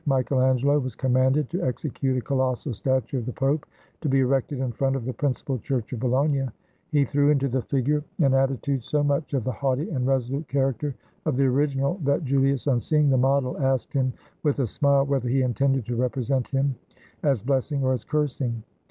Michael Angelo was commanded to execute a colossal statue of the Pope to be erected in front of the principal church of Bologna. He threw into the figure 100 MICHAEL ANGELO AND POPE JULIUS II and attitude so much of the haughty and resolute char acter of the original that Julius, on seeing the model, asked him with a smile whether he intended to represent him as blessing or as cursing.